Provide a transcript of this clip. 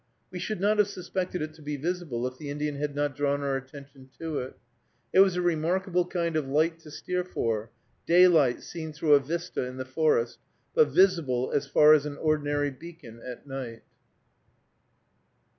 We should not have suspected it to be visible if the Indian had not drawn our attention to it. It was a remarkable kind of light to steer for, daylight seen through a vista in the forest, but visible as far as an ordinary beacon at night.